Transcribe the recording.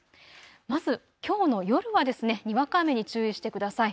まずきょうの夜はにわか雨に注意してください。